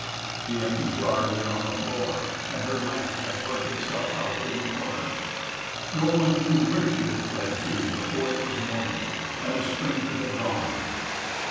The empty jar lay on the floor and her lamp had burnt itself out in the corner. No one knew where she had fled to before it was morning and the stranger had gone.